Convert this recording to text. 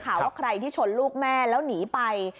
ใครที่ชนลูกแม่แล้วหนี